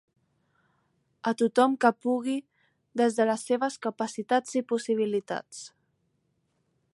A tothom que pugui des de les seves capacitats i possibilitats.